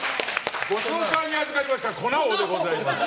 ご紹介にあずかりました粉王でございます。